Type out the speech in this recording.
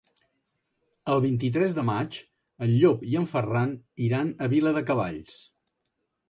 El vint-i-tres de maig en Llop i en Ferran iran a Viladecavalls.